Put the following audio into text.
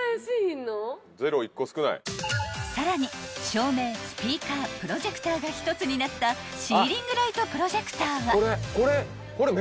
［さらに照明スピーカープロジェクターが１つになったシーリングライトプロジェクターは］